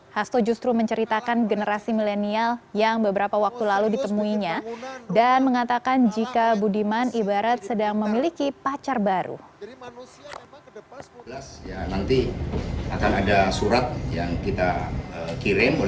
hasto justru menceritakan generasi milenial yang beberapa waktu lalu ditemuinya dan mengatakan jika budiman ibarat sedang memiliki pacar baru